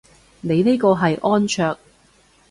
你呢個係安卓